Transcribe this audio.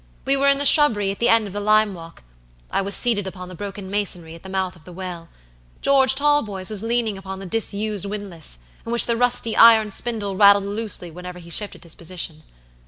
We were in the shrubbery at the end of the lime walk. I was seated upon the broken masonry at the mouth of the well. George Talboys was leaning upon the disused windlass, in which the rusty iron spindle rattled loosely whenever he shifted his position.